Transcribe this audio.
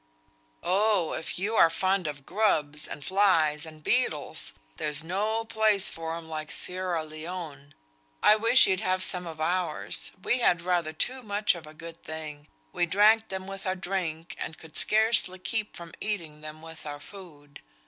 "Oh! if you are fond of grubs, and flies, and beetles, there's no place for 'em like Sierra Leone. I wish you'd had some of ours; we had rather too much of a good thing; we drank them with our drink, and could scarcely keep from eating them with our food.